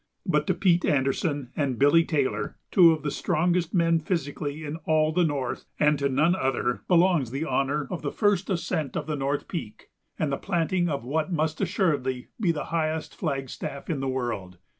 But to Pete Anderson and Billy Taylor, two of the strongest men, physically, in all the North, and to none other, belongs the honor of the first ascent of the North Peak and the planting of what must assuredly be the highest flagstaff in the world.